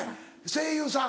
声優さん？